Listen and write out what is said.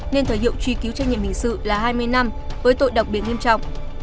nên thời hiệu truy cứu trách nhiệm hình sự là hai mươi năm với tội đặc biệt nghiêm trọng